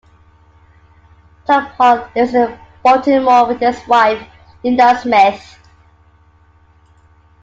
Tom Hall lives in Baltimore with his wife, Linell Smith.